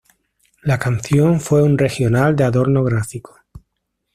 La canción fue un regional de adorno gráfico.